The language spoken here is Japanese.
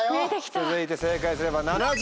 続いて正解すれば。